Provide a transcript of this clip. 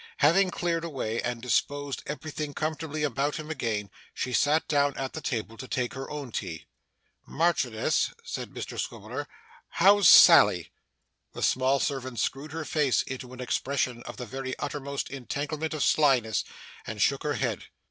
Having cleared away, and disposed everything comfortably about him again, she sat down at the table to take her own tea. 'Marchioness,' said Mr Swiveller, 'how's Sally?' The small servant screwed her face into an expression of the very uttermost entanglement of slyness, and shook her head.